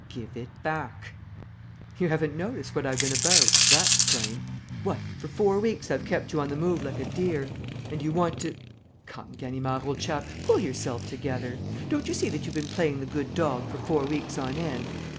"Give it back!" "You haven't noticed what I've been about, that's plain! What! For four weeks I've kept you on the move like a deer; and you want to ...! Come, Ganimard, old chap, pull yourself together!... Don't you see that you've been playing the good dog for four weeks on end?...